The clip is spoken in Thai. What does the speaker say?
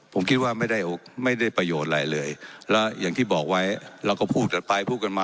ผมคิดว่าไม่ได้ประโยชน์อะไรเลยแล้วอย่างที่บอกไว้เราก็พูดกันไปพูดกันมา